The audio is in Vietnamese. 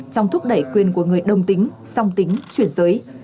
trong thúc đẩy quyền của người đồng tính song tính chuyển giới